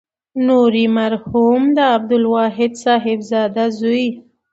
نوري مرحوم د عبدالواحد صاحبزاده زوی.